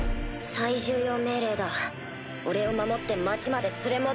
最重要命令だ俺を守って町まで連れ戻れ。